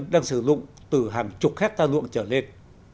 đang sử dụng từ hàng chục hectare ruộng trở lên